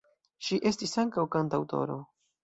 Ŝi estis ankaŭ kantaŭtoro.